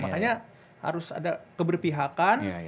makanya harus ada keberpihakan